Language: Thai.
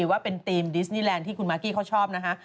ว่าเป็นธีมดิสนิแลนด์ที่คุณมากกี้เขาชอบนะคะ